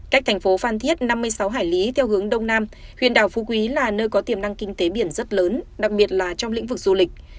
cách thành phố phan thiết năm mươi sáu hải lý theo hướng đông nam huyện đảo phú quý là nơi có tiềm năng kinh tế biển rất lớn đặc biệt là trong lĩnh vực du lịch